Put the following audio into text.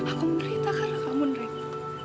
aku menerita karena kamu menerima